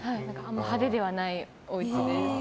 派手ではないおうちです。